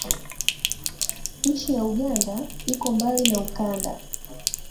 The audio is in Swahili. Nchi ya Uganda iko mbali na ukanda